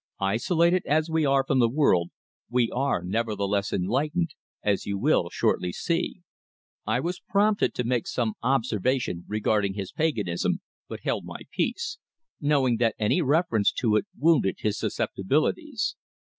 Isolated as we are from the world, we are nevertheless enlightened, as you will shortly see." I was prompted to make some observation regarding his paganism, but held my peace, knowing that any reference to it wounded his susceptibilities.